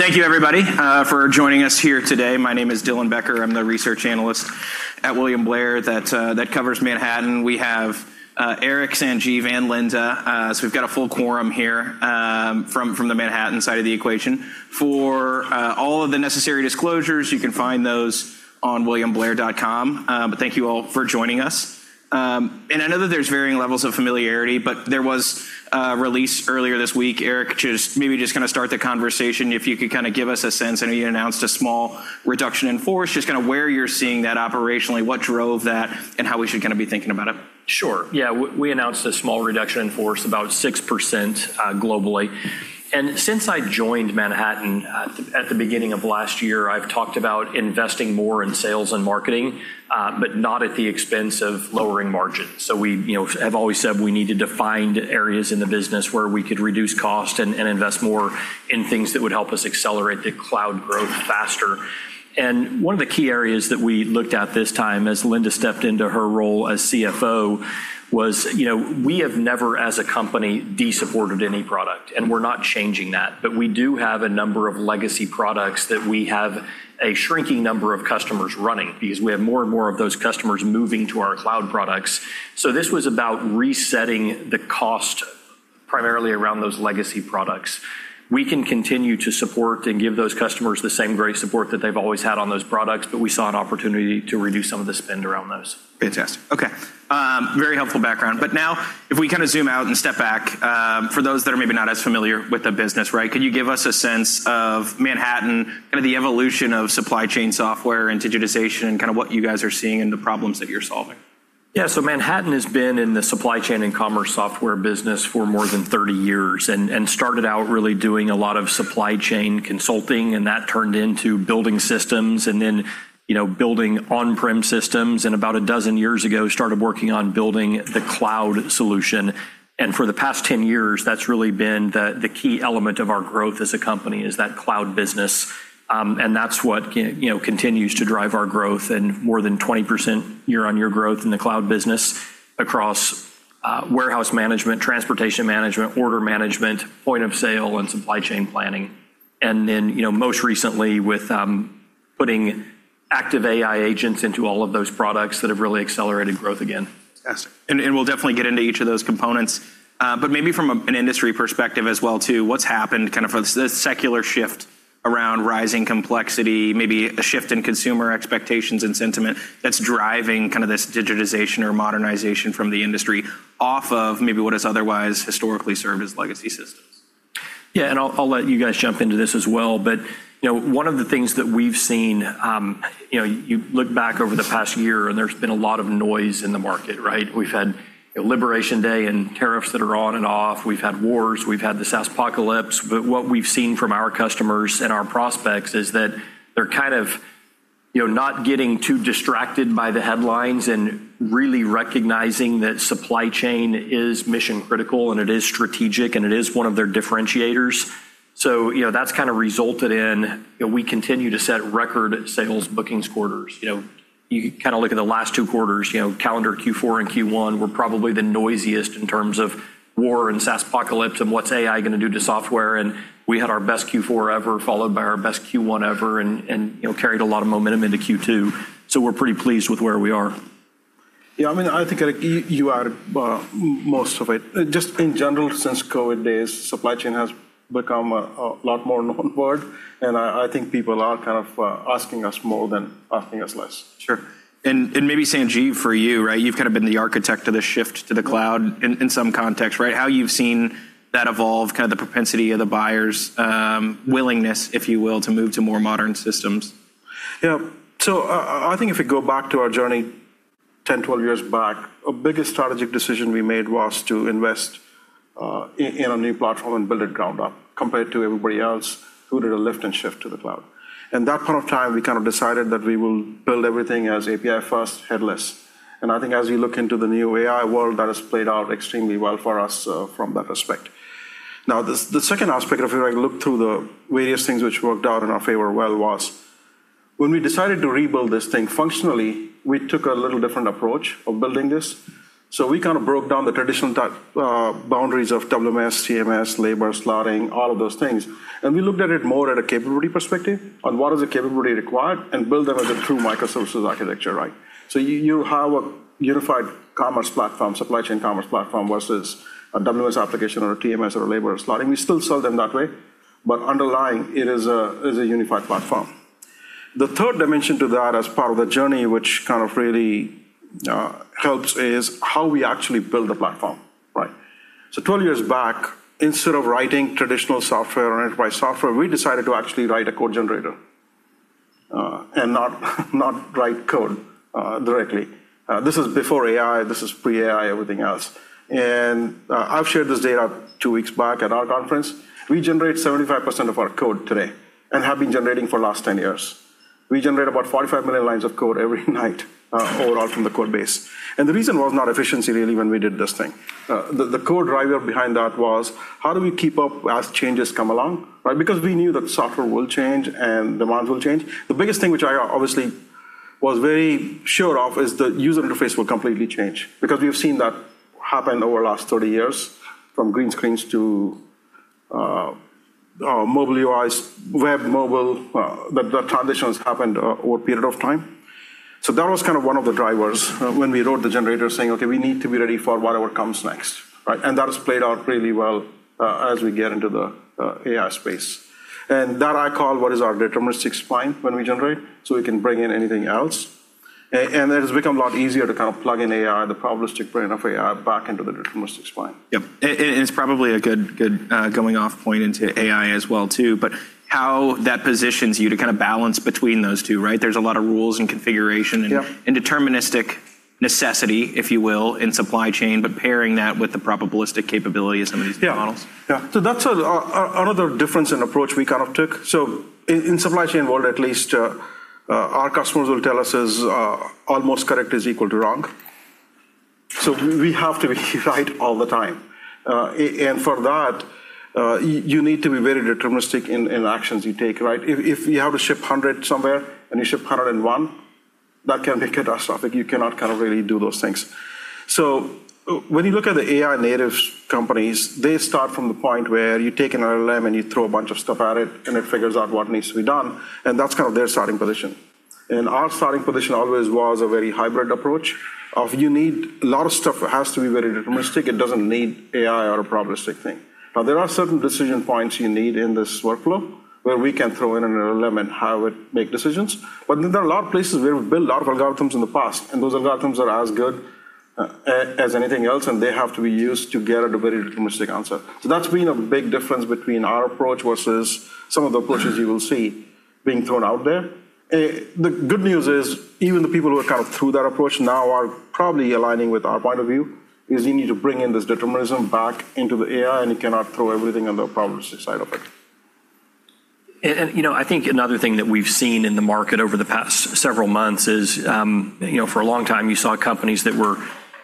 Thank you everybody for joining us here today. My name is Dylan Becker. I'm the research analyst at William Blair that covers Manhattan. We have Eric, Sanjeev, and Linda. We've got a full quorum here from the Manhattan side of the equation. For all of the necessary disclosures, you can find those on williamblair.com. Thank you all for joining us. I know that there's varying levels of familiarity, but there was a release earlier this week. Eric, to maybe just kind of start the conversation, if you could kind of give us a sense. I know you announced a small reduction in force, just kind of where you're seeing that operationally, what drove that, and how we should kind of be thinking about it. Sure, yeah. We announced a small reduction in force, about 6% globally. Since I joined Manhattan at the beginning of last year, I've talked about investing more in sales and marketing, but not at the expense of lowering margin. We have always said we need to find areas in the business where we could reduce cost and invest more in things that would help us accelerate the cloud growth faster. One of the key areas that we looked at this time, as Linda stepped into her role as CFO, was, we have never, as a company, de-supported any product, and we're not changing that. We do have a number of legacy products that we have a shrinking number of customers running, because we have more and more of those customers moving to our cloud products. This was about resetting the cost, primarily around those legacy products. We can continue to support and give those customers the same great support that they've always had on those products, but we saw an opportunity to reduce some of the spend around those. Fantastic. Okay. Very helpful background. Now if we zoom out and step back, for those that are maybe not as familiar with the business, can you give us a sense of Manhattan, kind of the evolution of supply chain software and digitization, and kind of what you guys are seeing and the problems that you're solving? Manhattan has been in the supply chain and commerce software business for more than 30 years, and started out really doing a lot of supply chain consulting, and that turned into building systems and then building on-prem systems, and about 12 years ago, started working on building the cloud solution. For the past 10 years, that's really been the key element of our growth as a company is that cloud business. That's what continues to drive our growth and more than 20% year-over-year growth in the cloud business across warehouse management, transportation management, Order Management, point of sale, and supply chain planning. Then, most recently with putting active AI agents into all of those products that have really accelerated growth again. Fantastic. We'll definitely get into each of those components. Maybe from an industry perspective as well too, what's happened kind of for the secular shift around rising complexity, maybe a shift in consumer expectations and sentiment that's driving this digitization or modernization from the industry off of maybe what has otherwise historically served as legacy systems? Yeah. I'll let you guys jump into this as well, but one of the things that we've seen, you look back over the past year, there's been a lot of noise in the market. We've had Liberation Day and tariffs that are on and off. We've had wars, we've had the SaaSpocalypse. What we've seen from our customers and our prospects is that they're kind of not getting too distracted by the headlines and really recognizing that supply chain is mission-critical, and it is strategic, and it is one of their differentiators. That's kind of resulted in, we continue to set record sales bookings quarters. You kind of look at the last two quarters, calendar Q4 and Q1 were probably the noisiest in terms of war and SaaSpocalypse and what's AI going to do to software, and we had our best Q4 ever, followed by our best Q1 ever, and carried a lot of momentum into Q2, so we're pretty pleased with where we are. Yeah, I think you added most of it. Just in general, since COVID days, supply chain has become a lot more known word. I think people are kind of asking us more than asking us less. Sure. Maybe Sanjeev, for you've kind of been the architect of the shift to the cloud in some context. How you've seen that evolve, kind of the propensity of the buyer's willingness, if you will, to move to more modern systems? Yeah. I think if we go back to our journey 10, 12 years back, our biggest strategic decision we made was to invest in a new platform and build it ground up, compared to everybody else who did a lift and shift to the cloud. In that point of time, we kind of decided that we will build everything as API-first headless. I think as you look into the new AI world, that has played out extremely well for us from that aspect. The second aspect, if we look through the various things which worked out in our favor well, was when we decided to rebuild this thing functionally, we took a little different approach of building this. We kind of broke down the traditional boundaries of WMS, TMS, labor, slotting, all of those things, and we looked at it more at a capability perspective on what is the capability required and build them as a true microservices architecture. You have a unified commerce platform, supply chain commerce platform versus a WMS application or a TMS or a labor slotting. We still sell them that way, but underlying it is a unified platform. The third dimension to that as part of the journey, which kind of really helps, is how we actually build the platform. 12 years back, instead of writing traditional software or enterprise software, we decided to actually write a code generator and not write code directly. This is before AI, this is pre-AI, everything else. I've shared this data two weeks back at our conference. We generate 75% of our code today and have been generating for the last 10 years. We generate about 45 million lines of code every night overall from the code base. The reason was not efficiency, really, when we did this thing. The core driver behind that was how do we keep up as changes come along? We knew that software will change and demands will change. The biggest thing which I obviously was very sure of is the user interface will completely change. We've seen that happen over the last 30 years, from green screens to mobile UIs, web mobile, the transitions happened over a period of time. That was one of the drivers when we wrote the generator saying, okay, we need to be ready for whatever comes next. Right? That has played out really well as we get into the AI space. That I call what is our deterministic spine when we generate, so we can bring in anything else. It has become a lot easier to plug in AI, the probabilistic brain of AI, back into the deterministic spine. Yep. It's probably a good going off point into AI as well, too. How that positions you to balance between those two, right? There's a lot of rules and configuration. Yep Deterministic necessity, if you will, in supply chain, but pairing that with the probabilistic capability of some of these new models. That's another difference in approach we took. In supply chain world, at least, our customers will tell us is almost correct is equal to wrong. For that, you need to be very deterministic in actions you take, right? If you have to ship 100 somewhere and you ship 101, that can get us stuck, and you cannot really do those things. When you look at the AI native companies, they start from the point where you take an LLM and you throw a bunch of stuff at it, and it figures out what needs to be done, and that's kind of their starting position. Our starting position always was a very hybrid approach, of a lot of stuff has to be very deterministic. It doesn't need AI or a probabilistic thing. Now, there are certain decision points you need in this workflow, where we can throw in an LLM and have it make decisions. There are a lot of places where we've built a lot of algorithms in the past, and those algorithms are as good, as anything else, and they have to be used to get at a very deterministic answer. That's been a big difference between our approach versus some of the approaches you will see being thrown out there. The good news is, even the people who are through that approach now are probably aligning with our point of view, is you need to bring in this determinism back into the AI, and you cannot throw everything on the probabilistic side of it. I think another thing that we've seen in the market over the past several months is, for a long time you saw companies that were,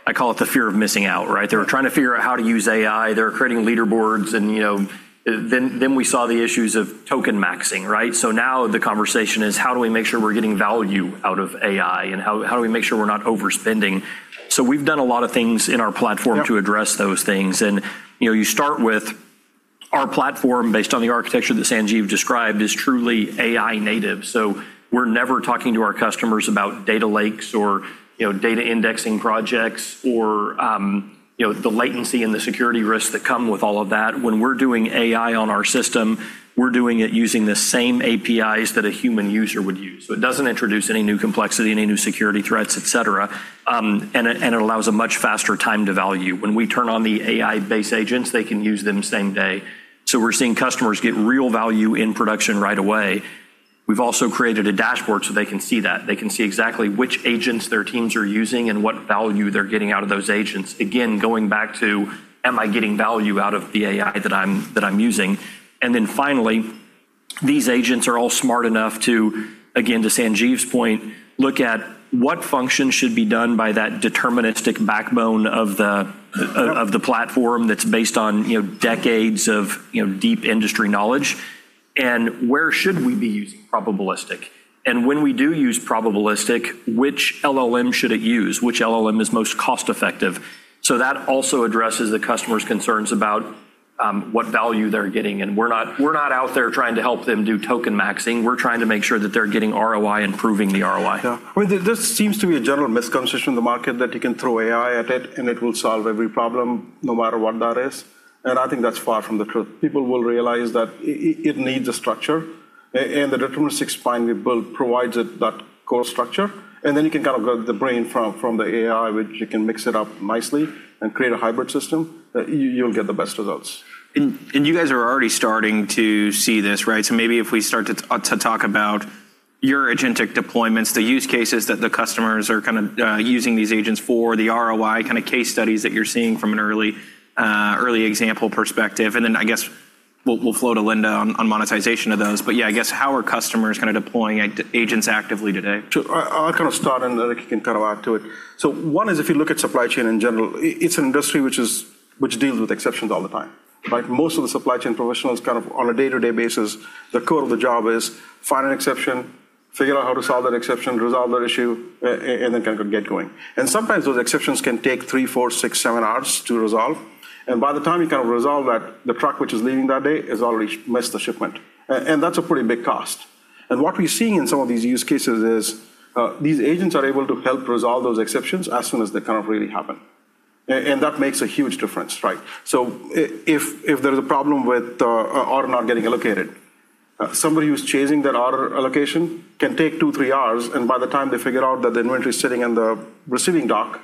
I call it the fear of missing out, right? Yeah. They were trying to figure out how to use AI. They were creating leaderboards and then we saw the issues of token maxing, right? Now the conversation is how do we make sure we're getting value out of AI, and how do we make sure we're not overspending? We've done a lot of things in our platform. Yep You start with our platform based on the architecture that Sanjeev described is truly AI native. We're never talking to our customers about data lakes or data indexing projects or the latency and the security risks that come with all of that. When we're doing AI on our system, we're doing it using the same APIs that a human user would use. It doesn't introduce any new complexity, any new security threats, et cetera, and it allows a much faster time to value. When we turn on the AI-based agents, they can use them same day. We're seeing customers get real value in production right away. We've also created a dashboard so they can see that. They can see exactly which agents their teams are using and what value they're getting out of those agents. Going back to, am I getting value out of the AI that I'm using? Finally, these agents are all smart enough to, again, to Sanjeev's point, look at what function should be done by that deterministic backbone of the platform that's based on decades of deep industry knowledge, and where should we be using probabilistic? When we do use probabilistic, which LLM should it use? Which LLM is most cost-effective? That also addresses the customer's concerns about what value they're getting. We're not out there trying to help them do token maxing. We're trying to make sure that they're getting ROI and proving the ROI. Yeah. Well, this seems to be a general misconception in the market that you can throw AI at it, and it will solve every problem no matter what that is. And I think that's far from the truth. People will realize that it needs a structure, and the deterministic spine we built provides it that core structure, and then you can build the brain from the AI, which you can mix it up nicely and create a hybrid system, you'll get the best results. You guys are already starting to see this, right? Maybe if we start to talk about your agentic deployments, the use cases that the customers are using these agents for, the ROI case studies that you're seeing from an early example perspective, and then I guess we'll flow to Linda on monetization of those. Yeah, I guess how are customers deploying agents actively today? Sure. I'll start and then Linda can add to it. One is if you look at supply chain in general, it's an industry which deals with exceptions all the time, right? Most of the supply chain professionals on a day-to-day basis, the core of the job is find an exception, figure out how to solve that exception, resolve that issue, and then can get going. Sometimes those exceptions can take three, four, six, seven hours to resolve. By the time you can resolve that, the truck which is leaving that day has already missed the shipment. That's a pretty big cost. What we're seeing in some of these use cases is, these agents are able to help resolve those exceptions as soon as they really happen. That makes a huge difference, right? If there's a problem with an order not getting allocated, somebody who's chasing that order allocation can take two, three hours, and by the time they figure out that the inventory is sitting in the receiving dock,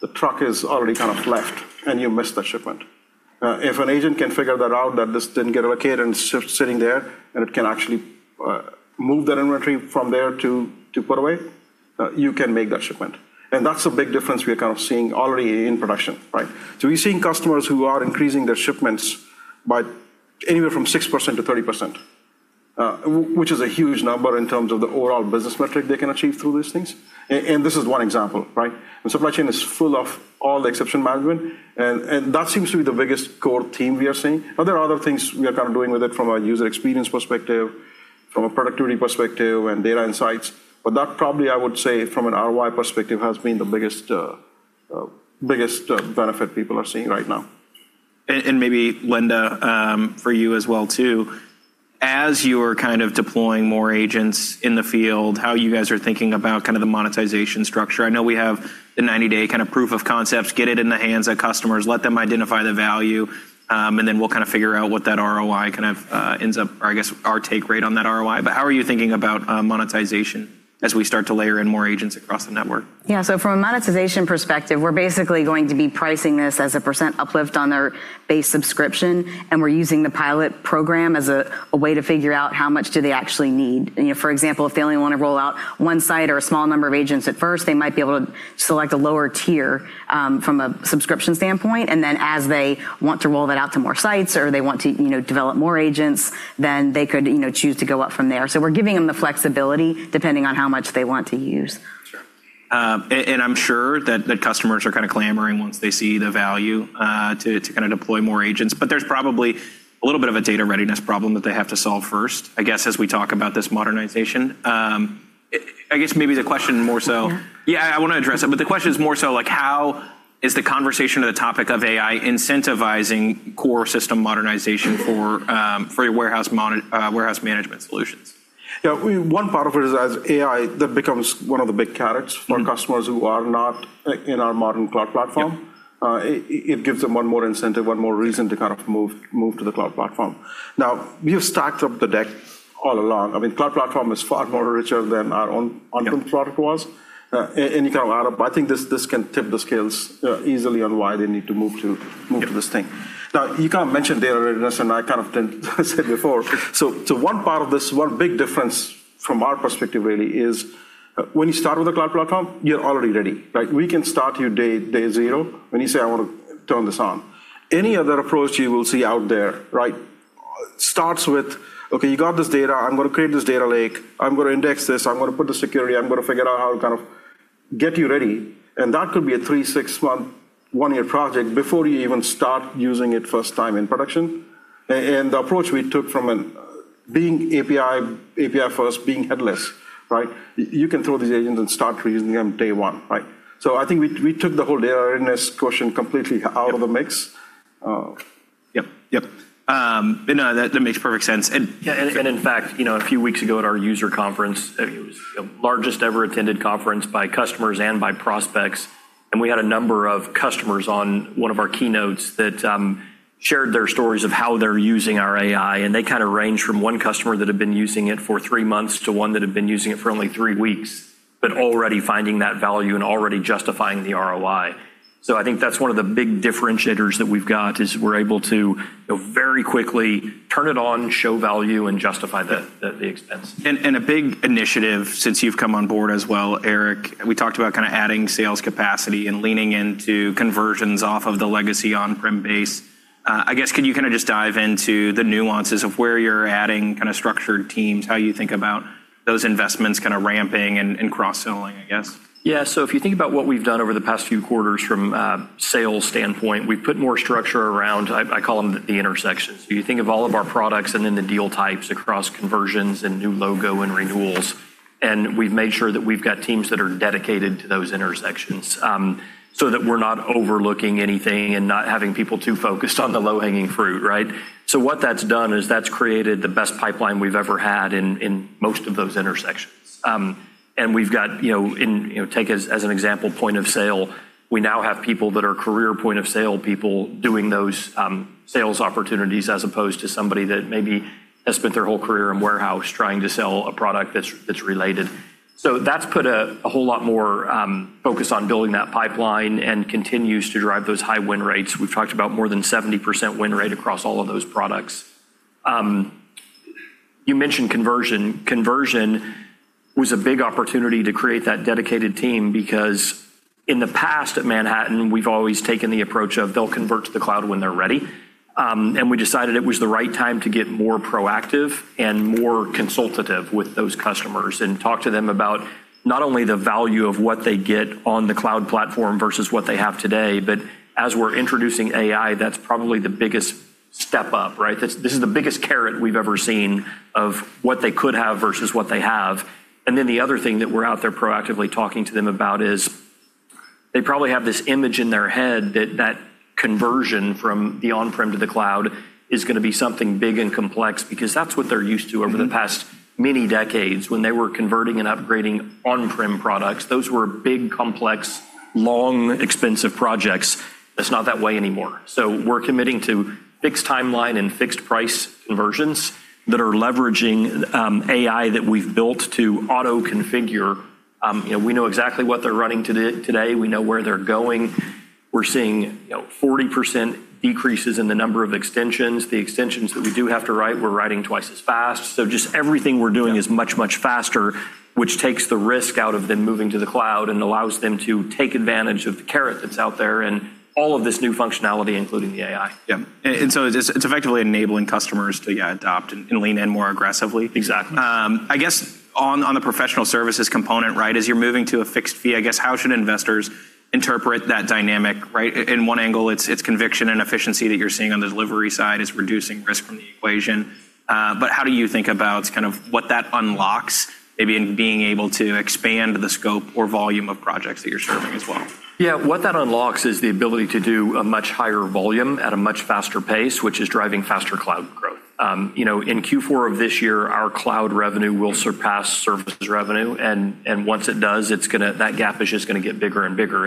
the truck has already left, and you missed that shipment. If an agent can figure that out that this didn't get allocated and it's sitting there, and it can actually move that inventory from there to put away, you can make that shipment. That's a big difference we are seeing already in production, right? We're seeing customers who are increasing their shipments by anywhere from 6%-30%, which is a huge number in terms of the overall business metric they can achieve through these things. This is one example, right? Supply chain is full of all the exception management, and that seems to be the biggest core theme we are seeing. There are other things we are doing with it from a user experience perspective. From a productivity perspective and data insights. That probably, I would say from an ROI perspective, has been the biggest benefit people are seeing right now. Maybe Linda, for you as well too, as you're deploying more agents in the field, how you guys are thinking about the monetization structure. I know we have the 90-day proof of concepts, get it in the hands of customers, let them identify the value, and then we'll figure out what that ROI ends up or I guess our take rate on that ROI. How are you thinking about monetization as we start to layer in more agents across the network? Yeah. From a monetization perspective, we're basically going to be pricing this as a % uplift on their base subscription. We're using the pilot program as a way to figure out how much do they actually need. For example, if they only want to roll out one site or a small number of agents, at first, they might be able to select a lower tier, from a subscription standpoint. As they want to roll that out to more sites or they want to develop more agents, then they could choose to go up from there. We're giving them the flexibility depending on how much they want to use. Sure. I'm sure that customers are clamoring once they see the value, to deploy more agents. There's probably a little bit of a data readiness problem that they have to solve first, I guess, as we talk about this modernization. Yeah, I want to address it, but the question is more so like how is the conversation or the topic of AI incentivizing core system modernization for your warehouse management solutions? Yeah. One part of it is as AI, that becomes one of the big carrots for customers who are not in our modern cloud platform. Yeah. It gives them one more incentive, one more reason to move to the cloud platform. We have stacked up the deck all along. Cloud platform is far more richer than our on-prem product was. You can add up, I think this can tip the scales easily on why they need to move to this thing. You kind of mentioned data readiness, and I kind of said before. One part of this, one big difference from our perspective really is when you start with a cloud platform, you're already ready. We can start you day zero when you say, "I want to turn this on." Any other approach you will see out there starts with, "Okay, you got this data. I'm going to create this data lake. I'm going to index this. I'm going to put the security. I'm going to figure out how to get you ready. That could be a three, six-month, one-year project before you even start using it first time in production. The approach we took from an being API first, being headless. You can throw these agents and start using them day one. I think we took the whole data readiness question completely out of the mix. Yep. That makes perfect sense. Yeah. In fact, a few weeks ago at our user conference, it was the largest ever attended conference by customers and by prospects, and we had a number of customers on one of our keynotes that shared their stories of how they're using our AI, and they kind of range from one customer that had been using it for three months to one that had been using it for only three weeks, but already finding that value and already justifying the ROI. I think that's one of the big differentiators that we've got is we're able to very quickly turn it on, show value, and justify the expense. A big initiative since you've come on board as well, Eric, we talked about adding sales capacity and leaning into conversions off of the legacy on-prem base. I guess, can you just dive into the nuances of where you're adding structured teams, how you think about those investments ramping and cross-selling, I guess? Yeah. If you think about what we've done over the past few quarters from a sales standpoint, we've put more structure around, I call them the intersections. You think of all of our products, the deal types across conversions and new logo and renewals, we've made sure that we've got teams that are dedicated to those intersections, so that we're not overlooking anything and not having people too focused on the low-hanging fruit. What that's done is that's created the best pipeline we've ever had in most of those intersections. Take as an example Point of Sale, we now have people that are career Point-of-Sale people doing those sales opportunities as opposed to somebody that maybe has spent their whole career in warehouse trying to sell a product that's related. That's put a whole lot more focus on building that pipeline and continues to drive those high win rates. We've talked about more than 70% win rate across all of those products. You mentioned conversion. Conversion was a big opportunity to create that dedicated team because in the past at Manhattan, we've always taken the approach of they'll convert to the cloud when they're ready. We decided it was the right time to get more proactive and more consultative with those customers and talk to them about not only the value of what they get on the cloud platform versus what they have today, but as we're introducing AI, that's probably the biggest step up. This is the biggest carrot we've ever seen of what they could have versus what they have. The other thing that we're out there proactively talking to them about is they probably have this image in their head that conversion from the on-prem to the cloud is going to be something big and complex because that's what they're used to over the past many decades. When they were converting and upgrading on-prem products, those were big, complex, long, expensive projects. That's not that way anymore. We're committing to fixed timeline and fixed price conversions that are leveraging AI that we've built to auto-configure. We know exactly what they're running today. We know where they're going. We're seeing 40% decreases in the number of extensions. The extensions that we do have to write, we're writing twice as fast. Just everything we're doing is much, much faster, which takes the risk out of them moving to the cloud and allows them to take advantage of the carrot that's out there and all of this new functionality, including the AI. Yeah. It's effectively enabling customers to adopt and lean in more aggressively. Exactly. I guess on the professional services component, as you're moving to a fixed fee, I guess how should investors interpret that dynamic? In one angle, it's conviction and efficiency that you're seeing on the delivery side is reducing risk from the equation. How do you think about what that unlocks, maybe in being able to expand the scope or volume of projects that you're serving as well? Yeah. What that unlocks is the ability to do a much higher volume at a much faster pace, which is driving faster cloud growth. In Q4 of this year, our cloud revenue will surpass services revenue. Once it does, that gap is just going to get bigger and bigger.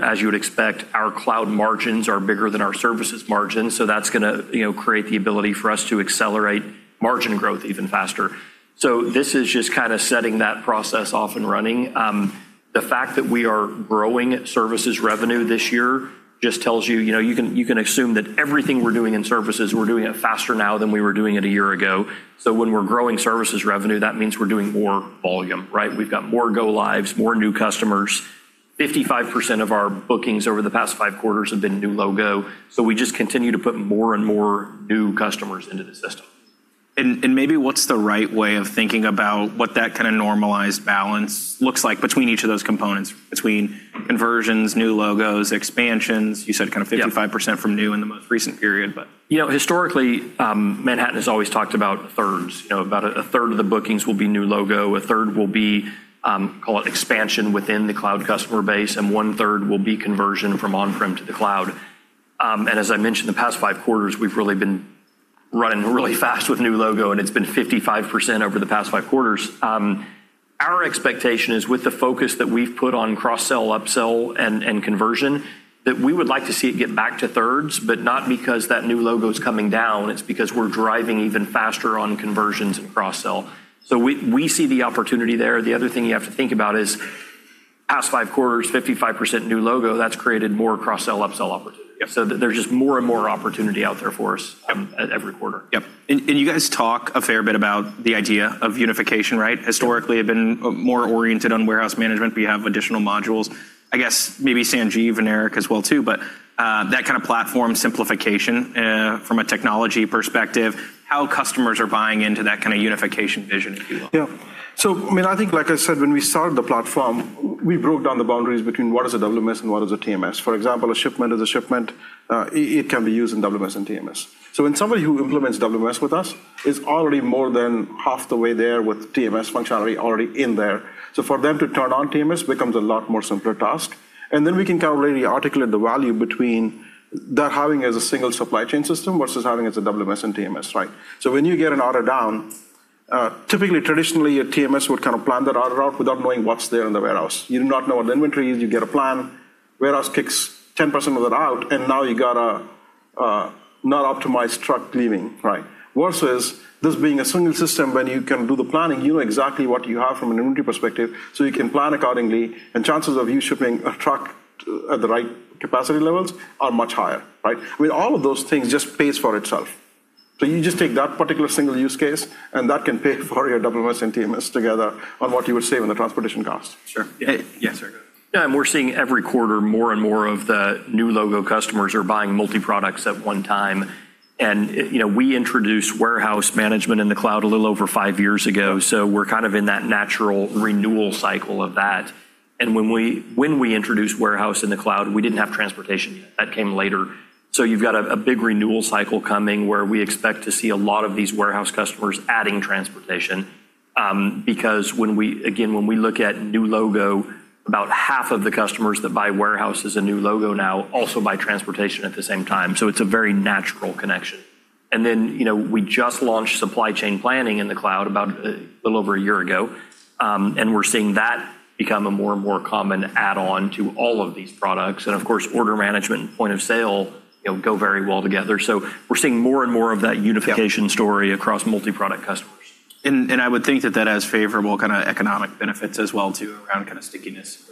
As you would expect, our cloud margins are bigger than our services margins. That's going to create the ability for us to accelerate margin growth even faster. This is just setting that process off and running. The fact that we are growing services revenue this year just tells you can assume that everything we're doing in services, we're doing it faster now than we were doing it a year ago. When we're growing services revenue, that means we're doing more volume, right? We've got more go lives, more new customers. 55% of our bookings over the past five quarters have been new logo. We just continue to put more and more new customers into the system. Maybe what's the right way of thinking about what that kind of normalized balance looks like between each of those components, between conversions, new logos, expansions? Yeah 55% from new in the most recent period. Historically, Manhattan has always talked about thirds. About a third of the bookings will be new logo, a third will be, call it expansion within the cloud customer base, and one-third will be conversion from on-prem to the cloud. As I mentioned, the past five quarters, we've really been running really fast with new logo, and it's been 55% over the past five quarters. Our expectation is with the focus that we've put on cross-sell, upsell and conversion, that we would like to see it get back to thirds, not because that new logo is coming down. It's because we're driving even faster on conversions and cross-sell. We see the opportunity there. The other thing you have to think about is, past five quarters, 55% new logo, that's created more cross-sell/upsell opportunities. Yeah. There's just more and more opportunity out there for us every quarter. Yep. You guys talk a fair bit about the idea of unification, right? Historically, have been more oriented on warehouse management. We have additional modules, I guess maybe Sanjeev and Eric as well too, but that kind of platform simplification, from a technology perspective, how customers are buying into that kind of unification vision, if you will. I think, like I said, when we started the platform, we broke down the boundaries between what is a WMS and what is a TMS. For example, a shipment is a shipment. It can be used in WMS and TMS. When somebody who implements WMS with us is already more than half the way there with TMS functionality already in there, for them to turn on TMS becomes a lot more simpler task. We can kind of really articulate the value between their having as a single supply chain system versus having as a WMS and TMS, right? When you get an order down, typically, traditionally, a TMS would kind of plan that order out without knowing what's there in the warehouse. You do not know what the inventory is. You get a plan, warehouse kicks 10% of it out, and now you got a not optimized truck leaving. Right. Versus this being a single system, when you can do the planning, you know exactly what you have from an inventory perspective, so you can plan accordingly. Chances of you shipping a truck at the right capacity levels are much higher, right? With all of those things, just pays for itself. You just take that particular single use case, and that can pay for your WMS and TMS together on what you would save on the transportation cost. Sure. Yeah. We're seeing every quarter more and more of the new logo customers are buying multi-products at one time. We introduced Warehouse Management in the Cloud a little over five years ago, so we're kind of in that natural renewal cycle of that. When we introduced Warehouse in the Cloud, we didn't have Transportation yet. That came later. You've got a big renewal cycle coming, where we expect to see a lot of these warehouse customers adding Transportation, because when we, again, when we look at new logo, about half of the customers that buy Warehouse as a new logo now also buy Transportation at the same time. It's a very natural connection. Then, we just launched Supply Chain Planning in the Cloud about a little over a year ago. We're seeing that become a more and more common add-on to all of these products. Of course, Order Management and Point of Sale go very well together. We're seeing more and more of that unification. Yeah Story across multi-product customers. I would think that has favorable kind of economic benefits as well too, around kind of stickiness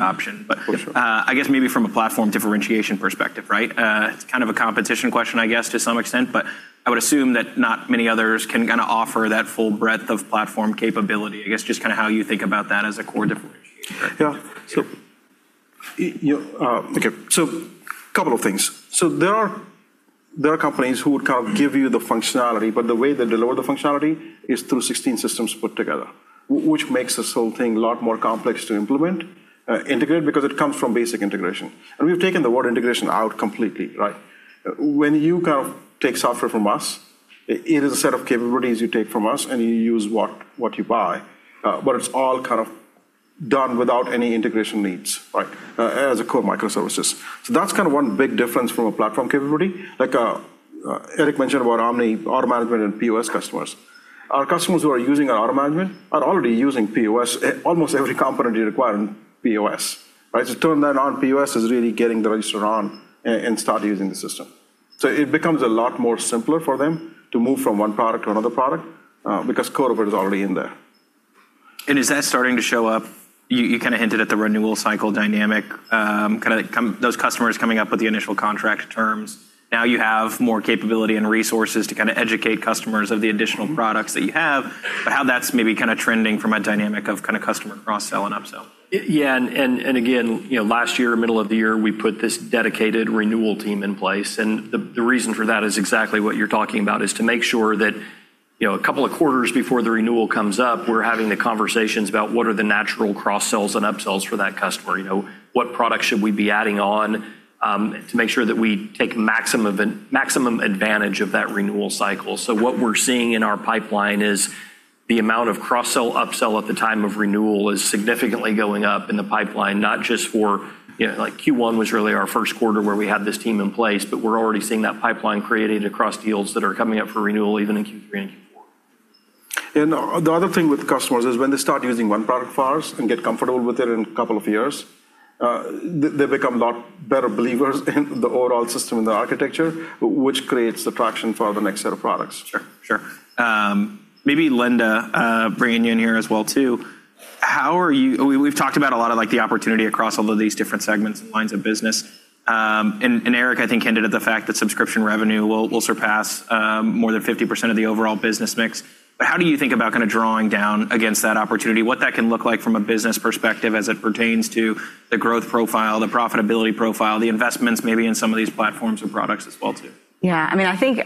option. For sure. I guess maybe from a platform differentiation perspective, right? It's kind of a competition question, I guess, to some extent, but I would assume that not many others can offer that full breadth of platform capability. I guess just how you think about that as a core differentiator? Yeah. couple of things. There are companies who would give you the functionality, but the way that they load the functionality is through 16 systems put together, which makes this whole thing a lot more complex to implement, integrate, because it comes from basic integration. We've taken the word integration out completely, right? When you take software from us, it is a set of capabilities you take from us, and you use what you buy. It's all kind of done without any integration needs, right, as core microservices. That's one big difference from a platform capability. Like Eric mentioned about Omni, Order Management and POS customers. Our customers who are using our Order Management are already using POS, almost every component you require in POS, right? Turning that on POS is really getting the restaurant and start using the system. it becomes a lot more simpler for them to move from one product to another product, because crossover is already in there. Is that starting to show up? You kind of hinted at the renewal cycle dynamic, those customers coming up with the initial contract terms. Now you have more capability and resources to educate customers of the additional products that you have, but how that's maybe kind of trending from a dynamic of kind of customer cross-sell and upsell. Again, last year, middle of the year, we put this dedicated renewal team in place, and the reason for that is exactly what you're talking about, is to make sure that, a couple of quarters before the renewal comes up, we're having the conversations about what are the natural cross-sells and upsells for that customer. What products should we be adding on, to make sure that we take maximum advantage of that renewal cycle. What we're seeing in our pipeline is. The amount of cross-sell, up-sell at the time of renewal is significantly going up in the pipeline. Q1 was really our first quarter where we had this team in place, but we're already seeing that pipeline created across deals that are coming up for renewal even in Q3 and Q4. The other thing with customers is when they start using one product of ours and get comfortable with it in a couple of years, they become a lot better believers in the overall system and the architecture, which creates the traction for the next set of products. Sure. Maybe Linda, bringing you in here as well too. We've talked about a lot of the opportunity across all of these different segments and lines of business. Eric, I think, hinted at the fact that subscription revenue will surpass more than 50% of the overall business mix. How do you think about drawing down against that opportunity? What that can look like from a business perspective as it pertains to the growth profile, the profitability profile, the investments maybe in some of these platforms or products as well too? I think,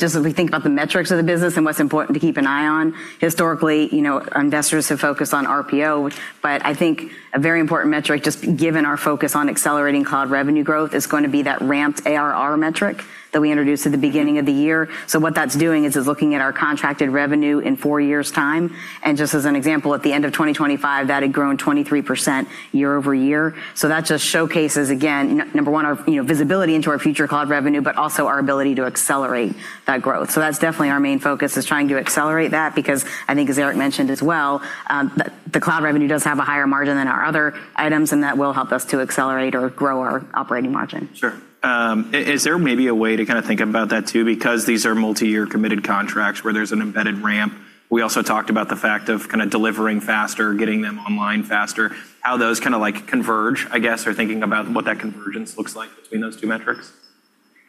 just as we think about the metrics of the business and what's important to keep an eye on, historically, investors have focused on RPO. I think a very important metric, just given our focus on accelerating cloud revenue growth, is going to be that ramped ARR metric that we introduced at the beginning of the year. What that's doing is looking at our contracted revenue in four years' time. Just as an example, at the end of 2025, that had grown 23% year-over-year. That just showcases, again, number 1, our visibility into our future cloud revenue, but also our ability to accelerate that growth. That's definitely our main focus is trying to accelerate that, because I think as Eric mentioned as well, the cloud revenue does have a higher margin than our other items, and that will help us to accelerate or grow our operating margin. Sure. Is there maybe a way to think about that too? These are multi-year committed contracts where there's an embedded ramp. We also talked about the fact of delivering faster, getting them online faster, how those converge, I guess, or thinking about what that convergence looks like between those two metrics.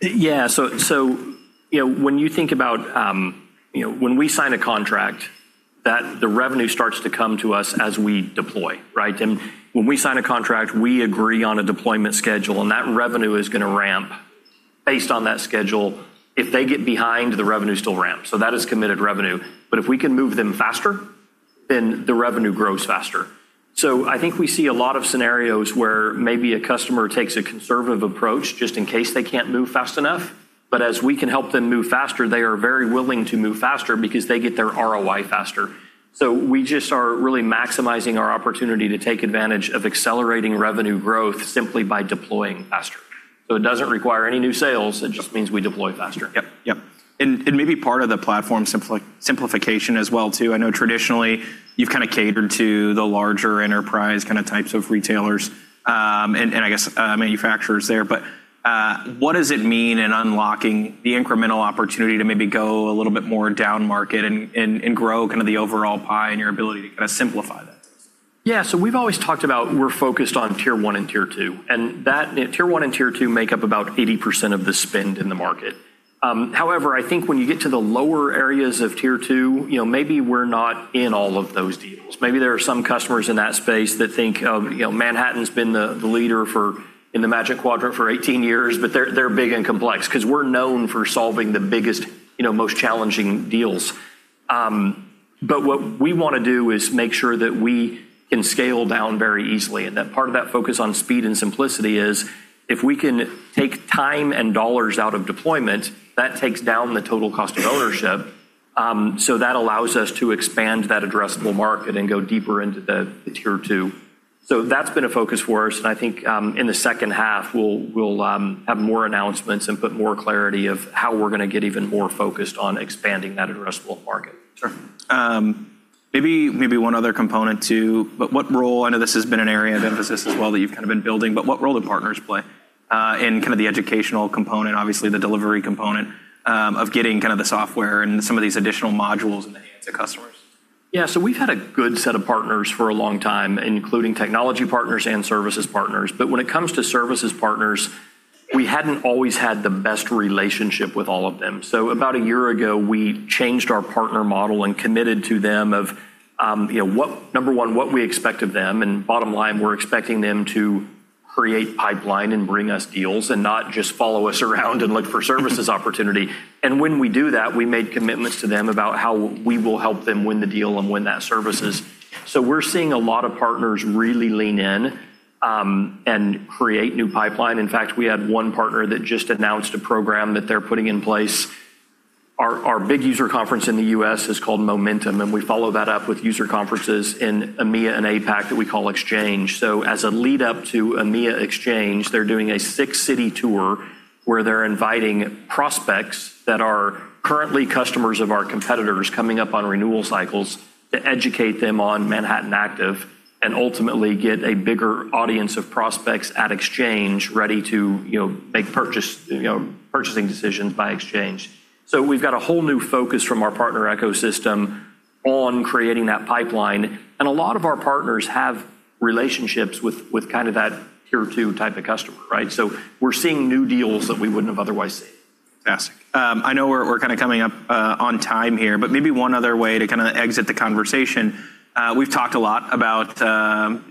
When you think about when we sign a contract, the revenue starts to come to us as we deploy, right? When we sign a contract, we agree on a deployment schedule, and that revenue is going to ramp based on that schedule. If they get behind, the revenue still ramps. That is committed revenue. If we can move them faster, the revenue grows faster. I think we see a lot of scenarios where maybe a customer takes a conservative approach just in case they can't move fast enough. As we can help them move faster, they are very willing to move faster because they get their ROI faster. We just are really maximizing our opportunity to take advantage of accelerating revenue growth simply by deploying faster. It doesn't require any new sales. It just means we deploy faster. Yep. Maybe part of the platform simplification as well too. I know traditionally you've catered to the larger enterprise types of retailers, and I guess manufacturers there. What does it mean in unlocking the incremental opportunity to maybe go a little bit more down market and grow the overall pie and your ability to simplify that space? Yeah. We've always talked about we're focused on tier one and tier two, and tier one and tier two make up about 80% of the spend in the market. However, I think when you get to the lower areas of tier two, maybe we're not in all of those deals. Maybe there are some customers in that space that think Manhattan's been the leader in the Magic Quadrant for 18 years, but they're big and complex, because we're known for solving the biggest, most challenging deals. What we want to do is make sure that we can scale down very easily, and that part of that focus on speed and simplicity is if we can take time and dollars out of deployment, that takes down the total cost of ownership. That allows us to expand that addressable market and go deeper into the tier two. That's been a focus for us, and I think in the second half, we'll have more announcements and put more clarity of how we're going to get even more focused on expanding that addressable market. Sure. Maybe one other component, too. I know this has been an area of emphasis as well that you've been building, but what role do partners play in the educational component, obviously the delivery component, of getting the software and some of these additional modules and enhancements to customers? Yeah. We've had a good set of partners for a long time, including technology partners and services partners. When it comes to services partners, we hadn't always had the best relationship with all of them. About a year ago, we changed our partner model and committed to them of, number 1, what we expect of them, and bottom line, we're expecting them to create pipeline and bring us deals and not just follow us around and look for services opportunity. When we do that, we made commitments to them about how we will help them win the deal and win that services. We're seeing a lot of partners really lean in and create new pipeline. In fact, we had one partner that just announced a program that they're putting in place. Our big user conference in the U.S. is called Momentum, and we follow that up with user conferences in EMEA and APAC that we call Exchange. As a lead up to EMEA Exchange, they're doing a six-city tour where they're inviting prospects that are currently customers of our competitors coming up on renewal cycles to educate them on Manhattan Active and ultimately get a bigger audience of prospects at Exchange ready to make purchasing decisions by Exchange. We've got a whole new focus from our partner ecosystem on creating that pipeline. A lot of our partners have relationships with that tier two type of customer, right? We're seeing new deals that we wouldn't have otherwise seen. Fantastic. I know we're coming up on time here, maybe one other way to exit the conversation. We've talked a lot about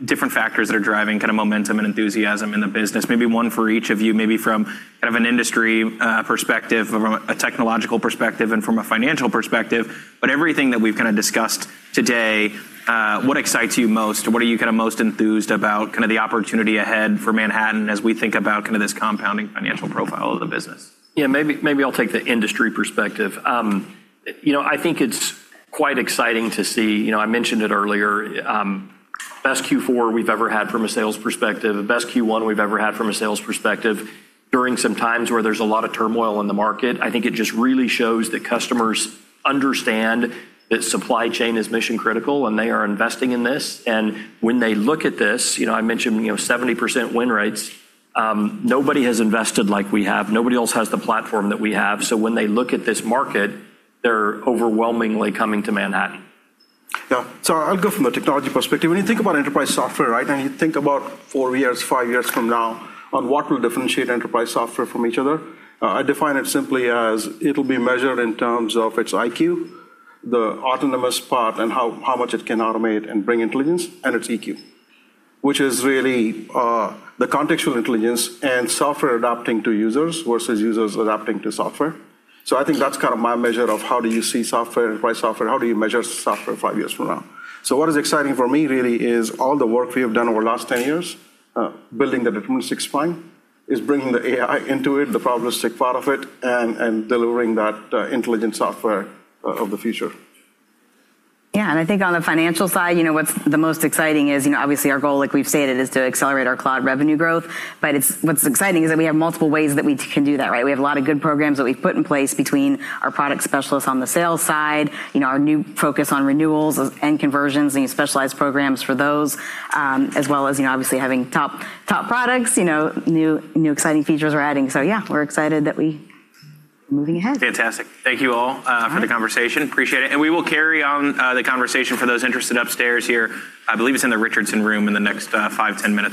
different factors that are driving momentum and enthusiasm in the business. Maybe one for each of you, maybe from an industry perspective, from a technological perspective, and from a financial perspective. Everything that we've discussed today, what excites you most? What are you most enthused about the opportunity ahead for Manhattan as we think about this compounding financial profile of the business? Yeah, maybe I'll take the industry perspective. I think it's quite exciting to see, I mentioned it earlier Best Q4 we've ever had from a sales perspective, the best Q1 we've ever had from a sales perspective, during some times where there's a lot of turmoil in the market. I think it just really shows that customers understand that supply chain is mission-critical, and they are investing in this. When they look at this, I mentioned, 70% win rates. Nobody has invested like we have. Nobody else has the platform that we have. When they look at this market, they're overwhelmingly coming to Manhattan. Yeah. I'll go from the technology perspective. When you think about enterprise software and you think about four years, five years from now on what will differentiate enterprise software from each other, I define it simply as it'll be measured in terms of its IQ, the autonomous part, and how much it can automate and bring intelligence, and its EQ, which is really the contextual intelligence and software adapting to users versus users adapting to software. I think that's my measure of how do you see software, enterprise software, how do you measure software five years from now? What is exciting for me really is all the work we have done over the last 10 years, building the deterministic spine, is bringing the AI into it, the probabilistic part of it, and delivering that intelligent software of the future. Yeah, I think on the financial side, what's the most exciting is obviously our goal, like we've stated, is to accelerate our cloud revenue growth. What's exciting is that we have multiple ways that we can do that. We have a lot of good programs that we've put in place between our product specialists on the sales side, our new focus on renewals and conversions, and specialized programs for those, as well as obviously having top products, new exciting features we're adding. Yeah, we're excited that we moving ahead. Fantastic. Thank you all. Sure for the conversation. Appreciate it. We will carry on the conversation for those interested upstairs here, I believe it's in the Richardson room, in the next five, 10 minutes or so